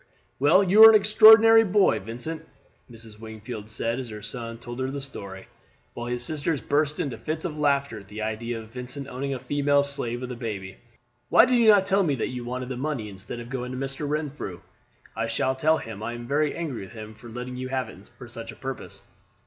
"Well, you are an extraordinary boy, Vincent," Mrs. Wingfield said as her son told her the story, while his sisters burst into fits of laughter at the idea of Vincent owning a female slave with a baby. "Why did you not tell me that you wanted the money instead of going to Mr. Renfrew? I shall tell him I am very angry with him for letting you have it for such a purpose."